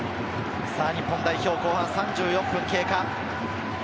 日本代表、後半３４分経過。